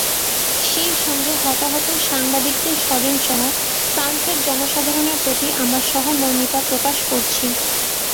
সেই সঙ্গে হতাহত সাংবাদিকদের স্বজনসহ ফ্রান্সের জনসাধারণের প্রতি আমরা সহমর্মিতা প্রকাশ করছি।